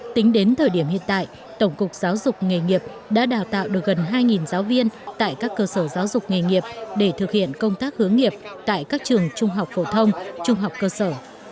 tính đến thời điểm hiện tại tổng cục giáo dục nghề nghiệp đã đào tạo được gần hai giáo viên tại các cơ sở giáo dục nghề nghiệp để thực hiện công tác hướng nghiệp tại các trường trung học phổ thông trung học cơ sở